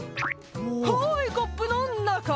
「はいコップの中！」